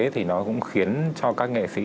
thì nó cũng khiến cho các nghệ sĩ